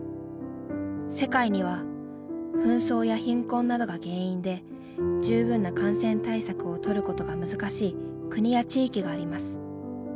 世界には紛争や貧困などが原因で十分な感染対策を取ることが難しい国や地域があります。